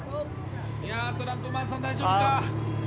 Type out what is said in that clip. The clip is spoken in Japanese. トランプマンさん大丈夫か。